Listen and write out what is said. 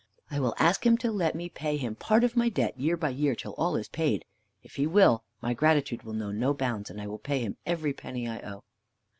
I will ask him to let me pay him part of my debt year by year till all is paid. If he will, my gratitude will know no bounds, and I will pay him every penny I owe."